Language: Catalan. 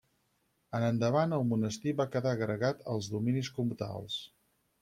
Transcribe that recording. En endavant el monestir va quedar agregat als dominis comtals.